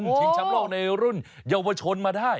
ชิงชำโลกในรุ่นเยาวชนมาได้